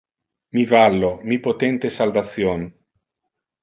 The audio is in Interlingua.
Mi vallo, mi potente salvation.